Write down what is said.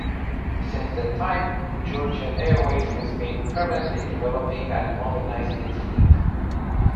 Since that time, Georgian Airways has been permanently developing and modernizing its fleet.